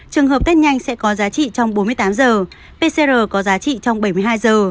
trường hợp tết nhanh sẽ có giá trị trong bốn mươi tám giờ pcr có giá trị trong bảy mươi hai giờ